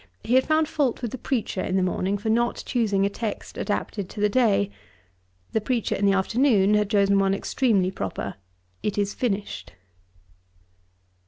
He had found fault with the preacher in the morning for not choosing a text adapted to the day. The preacher in the afternoon had chosen one extremely proper: 'It is finished.'